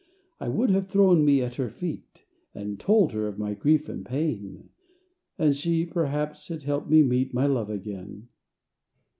I would have thrown me at her feet And told her of my grief and pain; And she, perhaps, had helped me meet My love again.